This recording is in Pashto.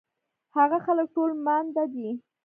هغه خلک ټول ماندۀ دي